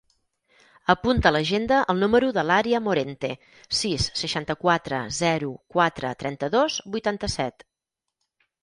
Apunta a l'agenda el número de l'Arya Morente: sis, seixanta-quatre, zero, quatre, trenta-dos, vuitanta-set.